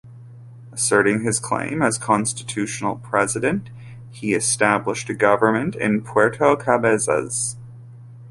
Asserting his claim as constitutional president, he established a government in Puerto Cabezas.